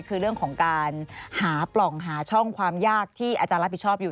คือเรื่องของการหาปล่องหาช่องความยากที่อาจารย์รับผิดชอบอยู่